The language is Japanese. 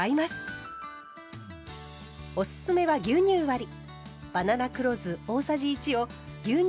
おすすめは牛乳割り。